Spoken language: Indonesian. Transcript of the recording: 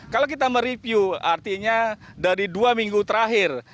kalau kita mereview artinya dari dua minggu terakhir